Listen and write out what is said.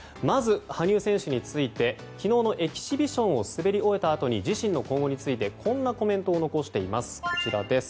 まず、羽生選手について昨日のエキシビションを滑り終えたあとに自身の今後についてこんなコメントを残しています。